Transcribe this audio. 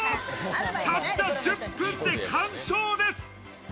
たった１０分で完食です。